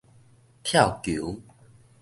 跳球